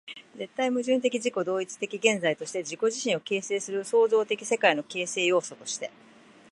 絶対矛盾的自己同一的現在として、自己自身を形成する創造的世界の形成要素として、